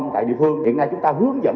tại địa phương hiện nay chúng ta hướng dẫn